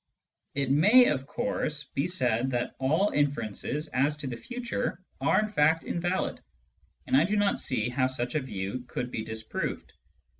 It may, of course, be said that all inferences as to the future are in fact invalid, and I do not see how such a view coxild be disproved.